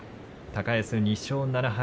高安は２勝７敗。